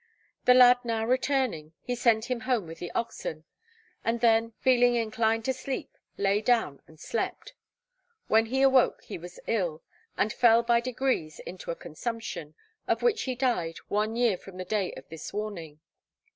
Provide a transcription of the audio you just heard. The lad now returning, he sent him home with the oxen, and then, feeling inclined to sleep, lay down and slept. When he awoke he was ill, and fell by degrees into a consumption, of which he died one year from the day of this warning.